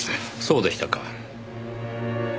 そうでしたか。